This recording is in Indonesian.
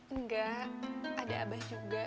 enggak ada abah juga